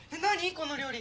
この料理。